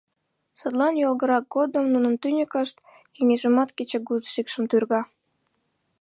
Садлан юалгырак годым нунын тӱньыкышт кеҥежымат кечыгут шикшым тӱрга.